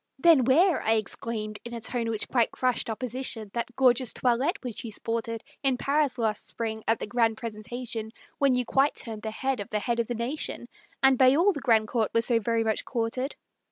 "Then wear," I exclaimed, in a tone which quite crushed Opposition, "that gorgeous toilette which you sported In Paris last spring, at the grand presentation, When you quite turned the head of the head of the nation, And by all the grand court were so very much courted."